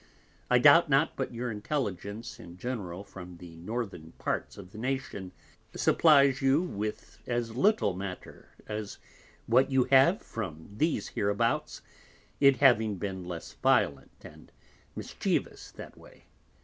I doubt not but your Intelligence in general from the Northern Parts of the Nation, supplies you with as little Matter as what you have from these hereabouts, it having been less violent and mischievous that way.